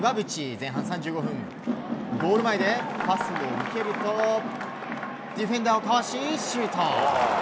前半３５分ゴール前でパスを受けるとディフェンダーをかわしシュート。